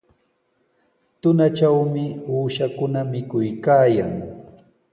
Tunatrawmi uushakuna mikuykaayan.